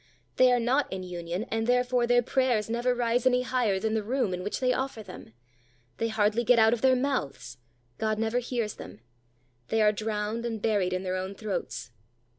They are not in union, and, therefore, their prayers never rise any higher than the room in which they offer them. They hardly get out of their mouths; God never hears them. They are drowned and buried in their own throats.